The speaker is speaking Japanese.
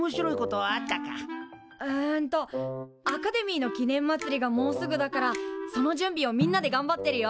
うんとアカデミーの記念まつりがもうすぐだからその準備をみんなでがんばってるよ。